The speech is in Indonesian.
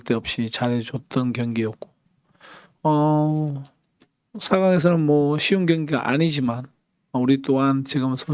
dan saya juga merasa mereka adalah tim yang sangat baik